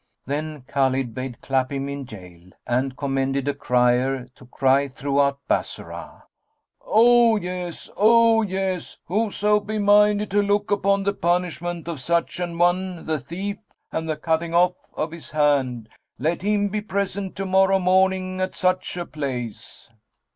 Then Khalid bade clap him in gaol and commended a crier to cry throughout Bassorah, "O yes! O yes! Whoso be minded to look upon the punishment of such an one, the thief, and the cutting off of his hand, let him be present to morrow morning at such a place!"